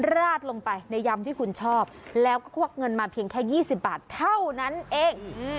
ราดลงไปในยำที่คุณชอบแล้วก็ควักเงินมาเพียงแค่๒๐บาทเท่านั้นเอง